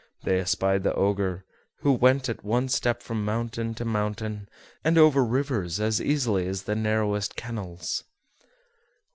They espied the Ogre, who went at one step from mountain to mountain, and over rivers as easily as the narrowest kennels.